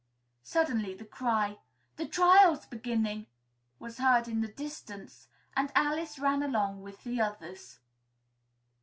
Suddenly the cry "The Trial's beginning!" was heard in the distance, and Alice ran along with the others.